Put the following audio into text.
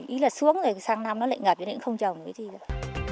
ý là xuống rồi sang năm nó lại ngập cho nên cũng không trồng cái gì đâu